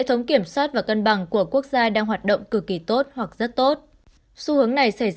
hệ thống kiểm soát và cân bằng của quốc gia đang hoạt động cực kỳ tốt hoặc rất tốt xu hướng này xảy ra